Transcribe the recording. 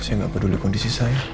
saya nggak peduli kondisi saya